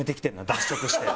脱色して。